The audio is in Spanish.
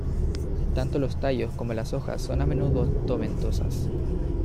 Tanto los tallos como las hojas son a menudo tomentosas.